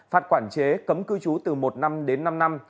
phạt quản chế cấm cư trú từ một năm đến năm năm